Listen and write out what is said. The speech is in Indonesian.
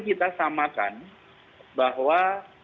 kita samakan bahwa